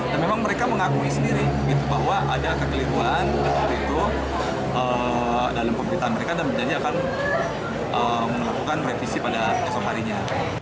dan memang mereka mengakui sendiri bahwa ada kekeliruan dalam pemerintahan mereka dan menjanjikan akan melakukan revisi pada esok harinya